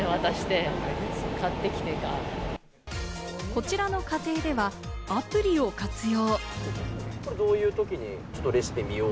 こちらの家庭ではアプリを活用。